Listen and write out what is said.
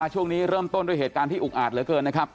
ช่วงนี้เริ่มต้นด้วยเหตุการณ์ที่อุกอาจเหลือเกินนะครับ